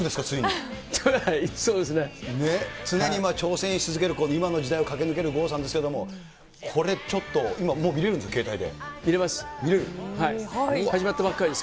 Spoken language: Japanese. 常に挑戦し続ける、今の時代を駆け抜ける郷さんですけれども、これ、ちょっと、今、もう見れるんですか、見れます。